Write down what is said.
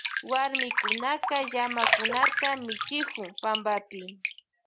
Warmikunaka llamakunata michikun pampapi.